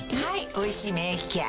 「おいしい免疫ケア」